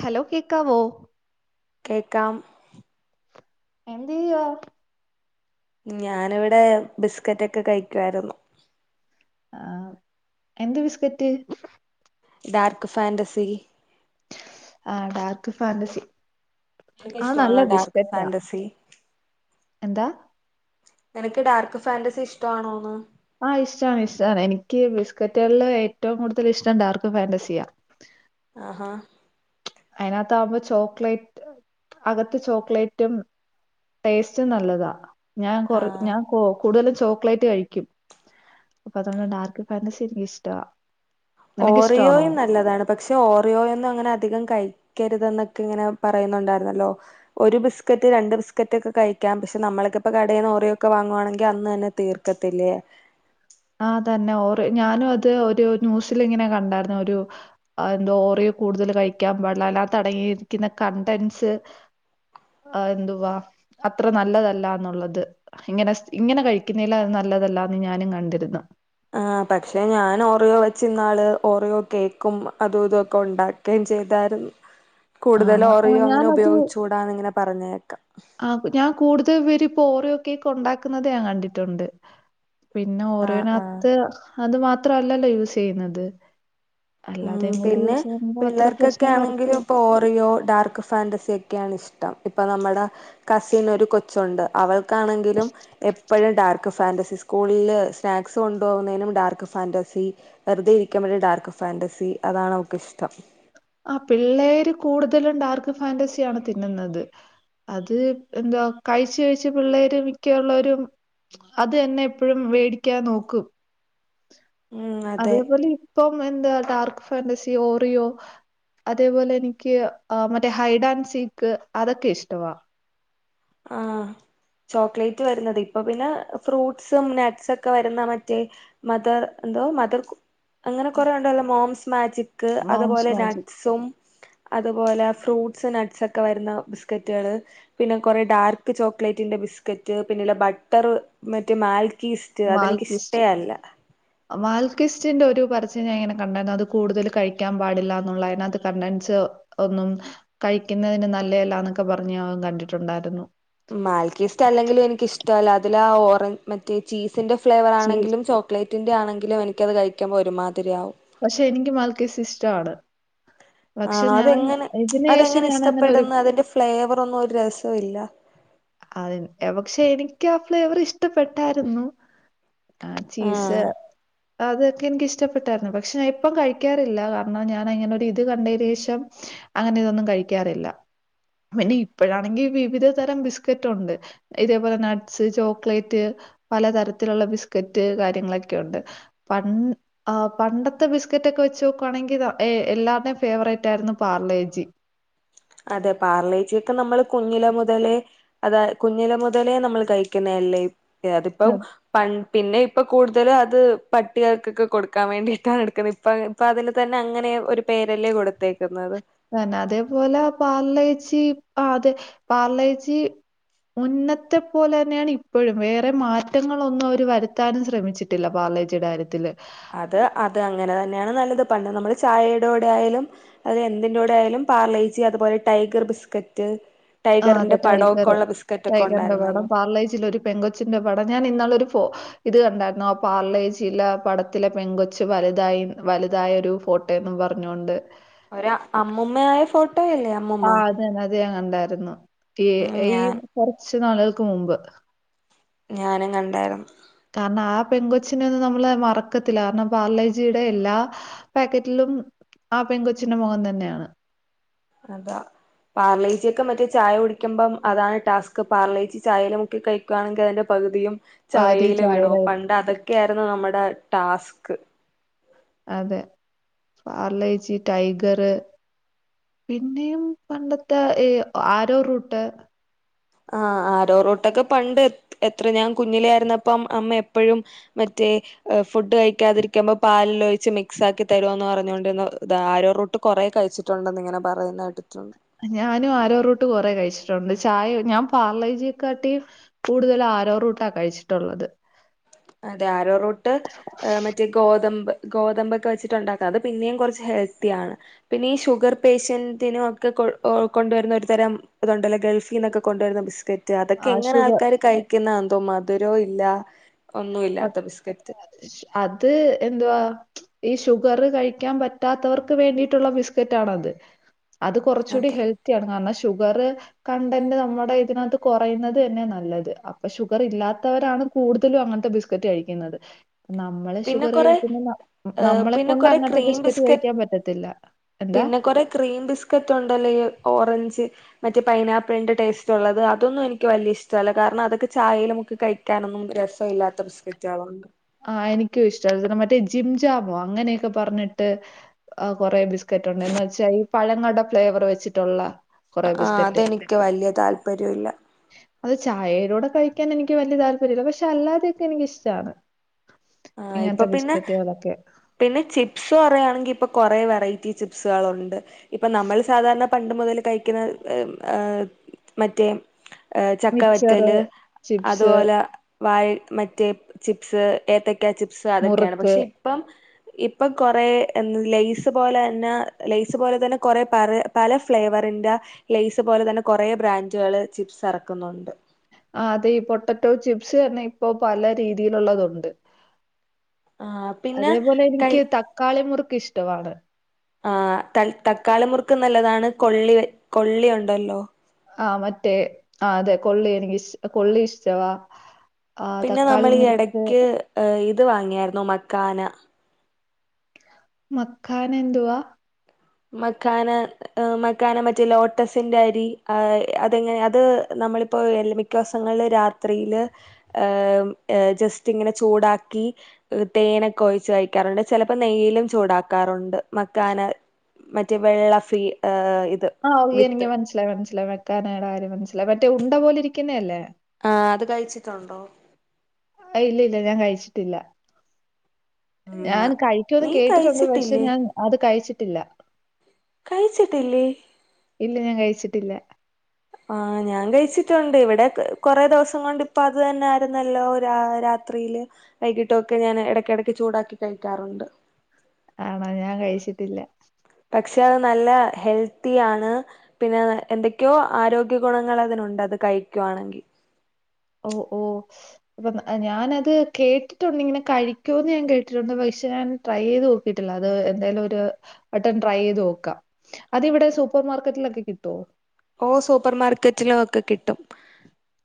Hello കേക്കാവോ കേൾക്കാം എന്ത് ചെയ്യുവാ ഞാനിവിടെ ബിസ്കറ്റ് ഒക്കെ കഴിക്കുവായിരിന്നു. ആ എന്ത് ബിസ്കറ്റ്. Dark Fantasy. അ ഡാർക്ക് ഫാന്റസി. നിനക്ക് അ നല്ല ഇഷ്ടമാണോ ഡാർക്ക് ബിസ്കറ്റാ ഫാന്റസി എന്താ- നിനക്ക് ഡാർക്ക് ഫാന്റസി ഇഷ്ടാണോന്ന്. അ ഇഷ്ടാണ് ഇഷ്ടാണ് എനിക്ക് ബിസ്കറ്റുകളില് ഏറ്റവും കൂടുതൽ ഇഷ്ടം ഡാർക്ക്‌ ഫന്റാസിയ. അ ആ അതിനാത്താവുമ്പ ചോക്ലേറ്റ് അകത്ത് ചോക്ലേറ്റും ടേസ്റ്റും നല്ലതാ. ഞാൻ കൊറു ആഹ് ഞാൻ കൂടുതലും ചോക്ലേറ്റ് കഴിക്കും അപ്പൊ അതുകൊണ്ട് ഡാർക്ക് ഫാന്റസി എനിക്കിഷ്ടവാ ഓറിയോയും നല്ലതാണ് പക്ഷെ ഓറിയോയൊന്നും അങ്ങനെ അധികം കഴിക്കരുതന്നെക്കെ ഇങ്ങനെ പറയുന്നുണ്ടായിരുന്നല്ലോ ഒരു ബിസ്ക്കറ്റ് രണ്ട് ബിസ്കറ്റ് ഒക്കെ കഴിക്കാം പക്ഷെ നമ്മൾക്കിപ്പ കടേന്ന് ഓറിയൊക്കെ വാങ്ങുവാണെങ്കിൽ അന്ന് തന്നെ തീർക്കത്തില്ലേ. ആ തന്നെ ഓറി ഞാനും അത് ഒരു ന്യൂസിൽ ഇങ്ങനെ കണ്ടായിരുന്നു ഒരു അതു ഓറിയോ കൂടുതൽ കഴിക്കാൻ പാടില്ല അതിനകത്ത്ടങ്ങിയിരിക്കുന്ന കണ്ടന്സ് എന്തുവാ അത്ര നല്ലതല്ലാന്നുള്ളത് ഇങ്ങനെ ഇങ്ങനെ കഴിക്കുന്നില്ല അത് നല്ലതല്ലാന്ന് ഞാനും കണ്ട്. ആ പക്ഷേ ഞാൻ ഓറിയോ വെച്ചന്നാള് ഓറിയോ കേക്കും അതും ഇതൊക്കെ ഉണ്ടാക്കേം ചെയ്തായിരുന്നു. കൂടുതല് ആണോ ആ, ഓറിയോ അങ്ങനെ ഞാനത് ഉപയോഗിച്ചൂടാന്ന് ഇങ്ങനെ പറഞ്ഞേക്കാം ആ ഞാൻ കൂടുതൽ പേരും ഇപ്പോ ഓറിയോ കേക്ക് ഉണ്ടാക്കുന്നത് ഞാൻ കണ്ടിട്ടുണ്ട്. പിന്നെ ആ ആ ഒറിയോനാകത്തു അത് മാ ത്രല്ലല്ലോ യൂസ് ചെയ്യുന്നത്. ഉം അല്ലാതെയും കൂടി പിന്നെ യൂസ് ചെയ്യുമ്പോൾ അത്ര പിള്ളേർക്കൊക്കെ പ്രശ്നം ആണെങ്കിലും വരത്തില്ല ഇപ്പൊ ഓറിയോ ഡാർക്ക്‌ ഫാന്റസി ഒക്കെയാണ് ഇഷ്ടം. ഇപ്പൊ നമ്മട കസിൻ ഒരു കൊച്ചുണ്ട് അവൾ ക്കാണെങ്കിലും എപ്പഴും ഡാർക്ക് ഫാൻറസിസ് സ്കൂളിൽ സ്നാക്സ് കൊണ്ടുപോകുന്നതിനും ഡാർക്ക് ഫാന്റസി വെറുതെ ഇരിക്കുമ്പോഴും ഡാർക്ക് ഫ ഫാന്റസി അതാണ് അവൾക്കിഷ്ടം. ആ പിള്ളേര് കൂടുതലും ഡാർക്ക് ഫാാന്റസിയാണ് തിന്നുന്നത് അത് എന്തുവാ കഴിച്ച് കഴിച്ച് പിള്ളേര് മിക്കോള്ളോരും അത് തന്നെ എപ്പോഴും വേടിക്കാൻ നോക്കും. ഉം അതെ അതേപോലെ ഇപ്പം എന്താ ഡാർക്ക് ഫാന്റസി ഓറിയോ അതേപോലെ എനിക്ക് ആ മറ്റേ ഹൈഡ് ആൻഡ് സീക്ക് അതൊക്കെ ഇഷ്ടവാ. ആ ചോക്ലേറ്റ് വരുന്നത് ഇപ്പൊ പിന്നെ ഫ്രൂട്ട്സും നട്ട്സ് ഒക്കെ വരുന്നാ മറ്റേ മദർ എന്തോ മദർകുക്ക് അങ്ങനെ കൊറെേ ഉണ്ടല്ലോ മോംസ് മാജിക്- ക്ക് മോംസ് അതുപോലെ മാജിക്, നട്സും അതുപോലെ ഫ്രൂട്ടസ് നട്ട്സ് ഒക്കെ വരുന്ന ബിസ്ക്കറ്റുകള് പിന്നെ കുറെ ഡാർക്ക് ചോക്ലേറ്റിന്റെ ബിസ്ക്കറ്റ് പിന്നെ ബട്ടർ മറ്റ് മാൽ- ക്കിസ്റ്റ് അത് എനിക്ക് ഇഷ്ട്ടേ അല്ല. മാൽക്കിസ്റ്റിന്റെ ഒരു പരസ്യം ഞാൻ ഇങ്ങനെ കണ്ടായിരുന്നു അത് കൂടുതൽ കഴിക്കാൻ പാടില്ല എന്നുള്ള അതിനകത്ത് കണ്ടൻസ് ഒന്നും കഴിക്കുന്നതിന് നല്ലതല്ലാ എന്നൊക്കെ പറഞ്ഞ് കണ്ടിട്ടുണ്ടായിരുന്നു. മാൽക്കീസ്റ്റ് അല്ലെങ്കിലും എനിക്കിഷ്ടപല്ല അതിലാ ആ ഓറഞ്ച് മറ്റേ ചീസ് തിന്റെ ഫ്ലേവർ ചീസ് ആണെങ്കിലും ചോക്ലേറ്റിന്റെ ആണെങ്കിലും എനിക് ക്കത് കഴിക്കുമ്പോ ഒരുമാ പക്ഷെ എനിക്ക് മൽക്കേസി ഇഷ്ടമാണ് ആണോ അതെങ്ങനെ ശേഷം അതെങ്ങനെ ഞാനങ്ങനെ ഒരു ഇഷ്ടപ്പെടുന്ന് അതിന്റെ ഫ്ലേവർ ഒന്നും ഒരു രസവു ഇല്ല അത് പക്ഷെ എനിക്ക് ആ ഫ്ലേവർ ഇഷ്ടപ്പെട്ടായിരുന്നു ആഹ് ചീസ് ആഹ് അതൊക്കെ എനിക്കിഷ്ടപ്പെട്ടായിരുന്നു പക്ഷെ ഞാൻ ഇപ്പം കഴിക്കാറില്ല കാരണം ഞാനങ്ങനെ ഒരു ഇത് കണ്ടതിന് ശേഷം അങ്ങനെ ഇതൊന്നും കഴിക്കാറില്ല പിന്നെ ഇപ്പഴാണെങ്കിൽ വിവിധ തരം ബിസ് ബിസ്കറ്റ് ഉണ്ട് ഇതേപോലെ നട്ട്സ് ചോക്ലേറ്റ് പലതരത്തിലുള്ള ബിസ്ക്കറ്റ് കാര്യങ്ങളൊക്കെ ഉണ്ട് പ പണ്ടത്തെ ബിസ്ക്കറ്റൊക്കെ വെച്ച് നോക്കുവാണെങ്കിൽ എല്ലാരുടെയും ഫേവറേറ്റ് ആയിരുന്നു പാർലേജി അതെ പാർലേജിയൊക്കെ നമ്മള് കുഞ്ഞില മുതലേ അതാ കുഞ്ഞില മുതലേ നമ്മൾ കഴിക്കുന്നല്ലേ ല്ലേ അതിപ്പം പ പിന്നെ ഇപ്പൊ കൂടുതലും അത് പട്ടികൾക്കൊക്കെ കൊടുക്കാൻ വേണ്ടിയിട്ടാണ് എടുക്കുന്നത് ഇപ്പൊ ഇപ്പ അതിന് തന്നെ അങ്ങനെ ഒരു പേരല്ലേ കൊടുത്തേക്കുന്നത് തന്നെ അതേപോലെ പാർലേച്ചി അതെ പാർലേച്ചി മുന്നത്തെ പോലെ തന്നെയാണ് ഇപ്പോഴും വേറെ മാറ്റങ്ങളൊന്നും അവര് വരുത്താനും ശ്രമിച്ചിട്ടില്ല പാർലേച്ചിയുടെ കാര്യത്തില് അത് അത് അങ്ങനെ തന്നെയാണ് നല്ലത് പണ്ട് നമ്മള് ചായയുടെ കൂടെ ആയാലും അത് എന്തിന്റെ കൂടെ ആയാലും പാർലേച്ചി അതുപോലെ ടൈഗർ ബിസ്കറ്റ് ആഹ് അതെ ടൈഗറ് ടൈഗറിന്റെ പടം ഉണ്ടായിരുന്നല്ലോ പാർലേജിൽ ഒരു പെങ്കൊച്ചിന്റെ പടം ഞാൻ ഇന്നാള് ഒരു ഫോ ഇത് കണ്ടായിരുന്നു ആ പാർലേജിലേ പടത്തിലെ പെങ്കൊച്ച് വലുതായി വലുതായ ഒരു ഫോട്ടോ എന്നും പറഞ്ഞൊണ്ട് ഒരു അമ്മൂമ്മയായ ഫോട്ടോ അല്ലേ അമ്മൂമ്മ ഉണ്ടാ രുന്നു റ്റിയേ ഏ കുറച്ച് റ്റ് നാളുകൾക്ക് മുമ്പ് ഞാനും കണ്ടായിരുന്നു കാരണം ആ പെൺ കൊച്ചിനെ ഒന്നും നമ്മള് മറക്കത്തില്ല കാരണം ബാർലേജിയുടെ എല്ലാ പാക്കറ്റിലും ആ പെൺ കൊച്ചിൻ്റെ മുഖം തന്നെയാണ് അതാ പാർലേച്ചിയൊക്കെ മറ്റേ ചായ കുടിക്കുമ്പം അതാണ് ടാസ്ക് പാർലേച്ചി ചായൽ മുക്കി കഴിക്കുകയാണെങ്കിൽ അതിന്റെ പകുതിയും പകുതി ചായേല് ചായയുടെ വീണുപോം പണ്ട് അതൊക്കെയാരുന്നു നമ്മുടെ ടാസ്ക് അതെ പാർലേജി ടൈഗർ പിന്നെയും പണ്ടത്തെ ഈ ആരോ റൂട്ട് ആ ആരോറൂട്ടൊക്കെ പണ്ട് എത്ര ഞാൻ കുഞ്ഞിലെ ആയിരുന്നപ്പം അമ്മ എപ്പഴും മറ്റേ ഫുഡ് കഴിക്കാതിരിക്കുമ്പോ പാലിലൊഴിച്ച് മിക്സ് ആക്കി തരുമോന്ന് പറഞ്ഞോണ്ടിര്ന്നതാ ആരോറൂട്ട് കൊറെ കഴിച്ചിട്ടുണ്ടെന്ന് ഇങ്ങനെ പറയുന്ന കേട്ടിട്ടുണ്ട് ഞാനും ആരോറൂട്ട് കുറെ കഴിച്ചിട്ടുണ്ട്. ചായെ ഞാൻ പാർലേജിയക്കാട്ടിയും കൂടുതല് ആരോറൂട്ടാ കഴിച്ചിട്ടുള്ളത്. അതെ ആരോറോട്ട് മറ്റേ ഗോതമ്പ് ഗോതമ്പൊക്കെ വെച്ചിട്ട് ഉണ്ടാക്കാ. അത് പിന്നെയും കുറച്ച് ഹെൽത്തി ആണ്. പിന്നെ ഈ ഷുഗർ പേഷ്യന്റിനും ഒക്കെ കൊണ്ടുവരുന്ന ഒരു തരം ഇതുണ്ടല്ലോ ഗൾഫീന്നൊക്കെ കൊണ്ടുവരുന്ന ബിസ്ക്ക റ്റ് അതൊക്കെ ആ ഷുഗർ എങ്ങനാൾക്കാര് കഴിക്കുന്ന ത് മധുരോ ഇല്ലാ ഒന്നു ഇല്ലാത്ത ബിസ്കറ്റ്. അത് എന്തുവാ ഈ ഷുഗർ കഴിക്കാൻ പറ്റാത്തവർക്ക് വേണ്ടിയിട്ടുള്ള ബിസ്കറ്റാണത്. അത് കുറച്ചൂടി അത ഹെൽത്തിയാണ്. കാരണച്ച് ഷുഗർ കണ്ടന്റ് നമ്മുടെ ഇതിനകത്ത് കുറയുന്നത് തന്നെ നല്ലത്. അപ്പൊ ഷുഗർ ഇല്ലാത്തവരാണ് കൂടുതലും അങ്ങൻത്തെ ബിസ് ക്കറ്റ് കഴിക്കുന്നത്. നമ്മള് പിന്നെ ഷുഗർ കൊറെ കഴിക്കുന്ന ന നമ്മളെ പിന്നെ കൊണ്ട് കൊറെ അങ്ങനത്തെ ക്രീം ബിസ്ക്കറ്റ് ബിസ്ക, കഴിക്കാൻ പറ്റത്തില്ല. എന്താ പിന്നെ കൊറെ ക്രീം ബിസ്കറ്റ് ഉണ്ടല്ലോ ഓറഞ്ച് മറ്റേ പൈനാപ്പിളിന്റെ ടേസ്റ്റ് ഉള്ളത്. അതൊന്നും എനിക്ക് വലിയ ഇഷ്ടവല്ല. കാരണം അതൊക്കെ ചായയിൽ മുക്കി കഴിക്കാനൊന്നും രസവില്ലാത്ത ബിസ്കറ്റുകളാഓണ്ട് ആ എനിക്കും ഇഷ്ടല്ല. ആ മറ്റേ ജിം ജാമോ, അങ്ങനെയൊക്കെ പറഞ്ഞിട്ട് കൊറേ ബിസ്ക്കറ്റ് ഉണ്ട്. എന്നു വച്ചാ ഈ പഴങ്ങളുടെ ഫ്ലേവർ വെച്ചിട്ടുള്ള കൊറെ അആ ബിസ്ക്കറ്റ് തെനിക്ക് വലിയ താല്പര്യവില്ല. അത് ചായേടെ കൂടെ കഴിക്കാൻ എനിക്ക് വലിയ താല്പര്യം ഇല്ല, പക്ഷെ അല്ലാതെയൊക്കെ എനിക്കിഷ്ടാണ്. ആഹ് ഇപ്പൊ ഇങ്ങനത്തെ പിന്നെ ബിസ്ക്കറ്റ്കളൊക്കെ. പിന്നെ ചിപ്സ് പറയാണെങ്കി ഇപ്പ കുറേ വെറൈറ്റി ചിപ്സുകള് ഉണ്ട് ഇപ്പൊ നമ്മൾ സാധാരണ പണ്ട് മുതൽ കഴിക്കുന്ന ആ മറ്റേ ആ മിച്ചറ് ചക്കവറ്റല് ചിപ്സ് അതുപോല വായ മറ്റേ ചിപ്സ് ഏത്ത [unintelligible] ചിപ്സ് അതൊക്കെയാണ് മുറുക്ക് പക്ഷെ ഇപ്പം ഇപ്പൊ കൊറെ ലെയ്സ് പോലെ ന്ന ലെയ്സ് പോലെ തന്നെ കൊറെ പ പല ഫ്ലേവറിന്റെ ലെയ്സ് പോലെ തന്നെ കൊറെ ബ്രാൻഡുകള് ചിപ്സ് ഇറക്കുന്നുണ്ട്. ആ അതെ ഈ പൊട്ടറ്റോ ചിപ്സ് ന്നെ ഇപ്പൊ പല രീതിയിലുള്ളതു ഉണ്ട്. ആഹ് പിന്നെ അതേപോലെ കൈ എനിക്ക് തക്കാളി മുറുക് ഇഷ്ടവാണ് ആ തൽ തക്കാളി മുറുക്ക് നല്ലതാണ് കൊള്ളി കൊള്ളി ഉണ്ടല്ലോ. ആ മറ്റേ ആ അതെ കൊള്ളി എനിക്ക്ഷ കൊള്ളി ഇഷ്ടവാ ആ പിന്നെ തക്കാളി നമ്മള് ഈ മുറിച്ച് എടയ്ക്ക് ഇത് വാങ്ങിയായിരുന്നു മക്കാന മക്കാന എന്തുവാ? മക്കാന, ഏ മക്കാന മറ്റേ ലോട്ടസിന്റെ അരി അതെങ്ങനെ അത് നമ്മളിപ്പോ എൽ മിക്ക ദിവസങ്ങളില് രാത്രിയില് ഏ ജസ്റ്റ് ഇങ്ങനെ ചൂടാക്കി തേനൊക്കെ ഒഴിച്ച് കഴിക്കാറുണ്ട്. ചിലപ്പോ നെയ്യിലും ചൂടാക്കാറുണ്ട്. മക്കാന മറ്റേ വെള്ള ഫ്രീ ഏയ് ആഹ് [unintelligible] എൻക്ക് മൻസ്സിലായ് മൻസ്സ് ലൊ മക്കാനേടെ കാര്യം മനസ്സിലി മറ്റേ ഉണ്ട പോല ഇരിക്കുന്ന അല്ലേ? ആ അത് കഴിച്ചിട്ടുണ്ടോ? അ ഇല്ല ഇല്ല ഞാൻ കഴിച്ചിട്ടില്ല ഉം ഞാൻ കഴിക്കൂന്ന് നീ കേട്ടിട്ടുണ്ട് പക്ഷേ കഴിച്ചിട്ടില്ലേ ഞാൻ അത് കഴിച്ചിട്ടില്ല കഴിച്ചിട്ടില്ലേ ഇല്ല ഞാൻ കഴി ച്ചിട്ട്ല്ലാ ആഹ് ഞാൻ കഴ്ച്ചിട്ടുണ്ട് ഇവിടെ കൊറേ ദിവസം കൊണ്ട് ഇപ്പ അത് തന്നെ ആര്ന്നല്ലോ രാ രാത്രിയില് വൈകിട്ടൊക്കെ ഞാൻ എടെക്കെടെക്ക് ചൂടാക്കി കഴിക്കാറുണ്ട് ആണോ ഞാൻ കഴ്ച്ചിട്ടില്ല പക്ഷെ അത് നല്ല ഹെൽത്തി ആണ് പിന്നെ എന്തൊക്ക്യോ ആരോഗ്യ ഗുണങ്ങളതിനുണ്ട് അത് കഴിക്കുവാണെങ്കി ഓ ഓ [unintelligible] ഞാനത് കേട്ടിട്ടുണ്ട് ഇങ്ങനെ കഴിക്കോന്ന് ഞാൻ കേട്ടിട്ടുണ്ട് പക്ഷെ ഞാൻ ട്രൈയ്യെയ്ത് നോക്കീട്ടില്ല അത് എന്തയാലും ഒര് വട്ടം ട്രൈയ്യെയ്താേക്കാം അത് ഇവിടെ സൂപ്പർ മാർക്കറ്റിലൊക്കെ കിട്ടാേ? ഓ സൂപ്പർമാർക്കറ്റിലാേക്കെ കിട്ടും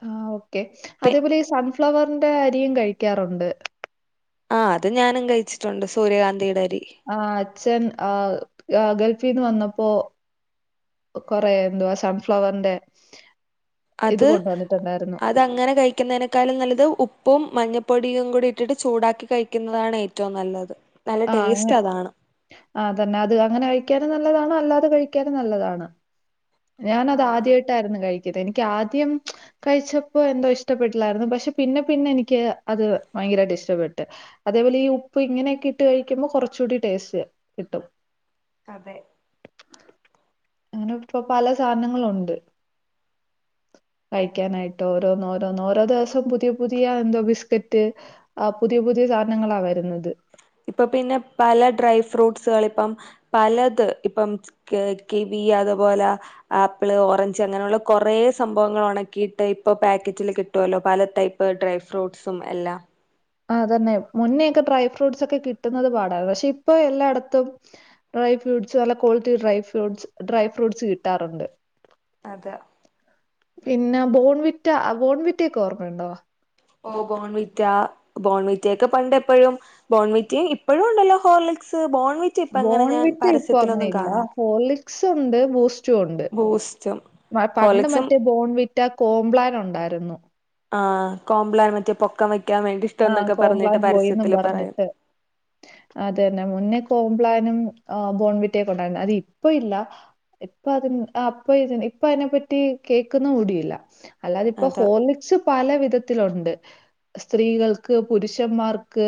ആ ഓക്കെ പി അതേപോലെ ഈ സൺഫ്ലവർ ന്റെ അരിയും കഴിക്കാറുണ്ട് ആഹ് അത് ഞാനും കഴ്ച്ചിട്ടുണ്ട് സൂര്യകാന്തീടെ ആഹ് അച്ഛൻ ആഹ് ആഹ് ഗൾഫീന്ന് വന്നപ്പോ കൊറേ എന്തുവാ സൺഫ്ലവർന്റെ അത് അത് അങ്ങനെ കഴിക്ക്ന്നേനേക്കാൾല് നല്ലത് ഉപ്പും മഞ്ഞ പൊടിയും കൂടെ ഇട്ടിട്ട് ചൂടാക്കി കഴിക്ക്ന്നതാണ് ഏറ്റവും നല്ലത് നല്ല ആഹ് അങ്ങനെ ടേസ്റ്റ് അതാണ് ആഹ് തന്നെ അത് അങ്ങനെ കഴിക്കാനും നല്ല ല്ലതാണ് അല്ലാതെ കഴിക്കാനും നല്ലതാണ് ഞാനത് ആഹ് ആദ്യായ്ട്ടായ്ര്ന്നു കഴി റ്റത് എനിക്ക് ആദ്യം കഴിച്ചപ്പോ എന്തോ ഇഷ്ടപ്പെട്ടില്ലായിരുന്നു പക്ഷെ പിന്നെ പിന്നെ എനിക്ക് അത് ഭയങ്കരായിട്ട് ഇഷ്ടപ്പെട്ട് അതേപോലെ ഈ ഉപ്പ് ഇങ്ങനെയൊക്കെ ഇട്ട് കഴിക്കുമ്പോൾ കുറച്ചുടി ടേസ്റ്റ് കിട്ടും അതെ അങ്ങനെ ഇപ്പൊ പല സാധനങ്ങളുണ്ട് കഴിക്കാനായിട്ട് ഓരോന്ന് ഓരോന്നോ ഓരോ ദിവസം പുതിയ പുതിയ എന്തോ ബിസ്കറ്റ് ആ പുതിയ പുതിയ സാധനങ്ങളാ വരുന്നത് ഇപ്പൊ പിന്നെ പല ഡ്രൈ ഫ്രൂട്ട്സുകൾ ഇപ്പം പലത് ഇപ്പം ക് കിവി അതുപോലെ ആപ്പിള് ഓറഞ്ച് അങ്ങനെയുള്ള കുറെ സംഭവങ്ങൾ ഉണക്കിയിട്ട് ഇപ്പൊ പാക്കറ്റില് കിട്ടുവല്ലോ പല ടൈപ്പ് ഡ്രൈ ഫ്രൂട്ട്സും എല്ലാം അതന്നെ മുന്നേക്കെ ഡ്രൈ ഫ്രൂട്ട്സ് ഒക്കെ കിട്ടുന്നത് പാടാണ് പക്ഷെ ഇപ്പൊ എല്ലായിടത്തും ഡ്രൈ ഫ്രൂട്ടട്സ് നല്ല quality dry fruits dry fruits കിട്ടാറുണ്ട് അത പിന്നെ ബോൺ വിറ്റ ബോൺ വിറ്റയക്കെ ഓർമ്മയുണ്ടോ ഓ ബോൺവിറ്റ ബോൺവിറ്റെക്കെ പണ്ട് എപ്പോഴും ബോൺവിറ്റയും ഇപ്പോഴും ഉണ്ടല്ലോ ഹോർലിക്സ് ബോൺവിറ്റ ഇപ്പ അങ്ങനെ ബോൺ ഞാൻ വിറ്റ് ഇപ്പൊ അങ്ങനെ പരസ്യത്തിലൊന്നും ഇല്ല കാണാറ് ഹോർളിക്സ് ഉണ്ട് ബൂസ്റ്റും ഉണ്ട് ബൂസ്റ്റും പണ്ട് ഹോർലിക്സും മറ്റേ ബോൺ വി റ്റ കോംബ്ലാൻ ഉണ്ടായിരുന്നു ആഹ് കോംപ്ലാൻ മറ്റേ പൊക്കം വയ് ആഹ് കോംബ്ലാൻ ബോയിന്നും പറയും പറഞ്ഞിട്ട് അതന്നെ മുന്നേ കോം പ്ലാനും ബോൺ വിറ്റിയകൊണ്ടാരുന്ന് അത് ഇപ്പ ഇല്ല ഇപ്പ അതി അപ്പൊ ഇ ഇപ്പ അതിനെപ്പറ്റി കേൾക്കുന്ന കൂടിയില്ല അല്ലാതെ ഇപ്പോ അതാ ഹോലിക്സ് പല വിധ ത്തിലണ്ട് സ്ത്രീകൾക്ക് പുരുഷന്മാർക്ക്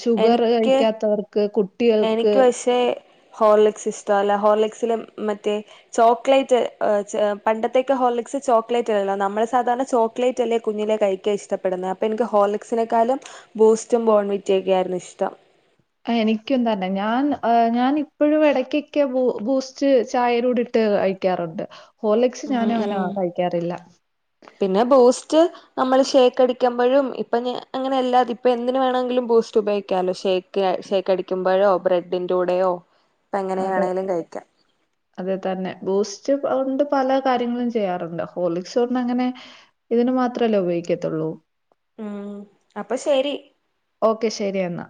ഷുഗർ എനിക്ക് കഴിക്കാത്തവർക്ക് കുട്ടികൾക്ക് ഹോർലെക്സ് ഇഷ്ടമല്ല ഹോർലെക്സില് മറ്റേ ചോക്ലേറ്റ് പണ്ടത്തേക്കെ ഹോർലെക്സ് ചോക്ലേറ്റ്ല്ലല്ലോ നമ്മള് സാധാരണ ചോക്ലേറ്റ് അല്ലേ കുഞ്ഞിലെ കഴിക്കാൻ ഇഷ്ടപ്പെടുന്നത് അപ്പൊ എനിക്ക് ഹോർലെക്സിനെക്കാളും ബൂസ്റ്റും ബോൺവി വിറ്റെക്കായിരുന്നു ഇഷ്ടം എനിക്കും തന്നെ ഞാൻ ഞാൻ ഇപ്പോഴും ഇടക്കൊക്കെ ബൂസ്റ്റ് ചായയിലൂടിട്ട് കഴിക്കാറുണ്ട് ഹോർലിക്സ് ഉം ഞാനും അങ്ങനെ ഉം കഴിക്കാറില്ല. പിന്നെ ബൂസ്റ്റ്‌ നമ്മള് ഷേക്കട മ്പോഴും ഇപ്പ അങ്ങനെല്ലാ ഇപ്പ എന്തിന് വേണമെങ്കിലും ബൂസ്റ്റ് ഉപയോഗിക്കാലോ ഷേക്ക് ഷേക്ക് അടിക്കുമ്പോഴോ ബ്രെഡിന്റെ കൂടെയോ ഇപ്പ എങ്ങനെ അതെ വേണേലും കഴിക്കാം അത് തന്നെ ബൂസ്റ്റ്ണ്ട് പല കാര്യങ്ങളും ചെയ്യാറുണ്ട് ഹോർലിക്സ് അങ്ങനെ ഇതിന് മാത്രമല്ലേ ഉപയോഗിക്കത്തുള്ളൂ ഉം അപ്പൊ ശരി ഓക്കെ ശരി എന്നാ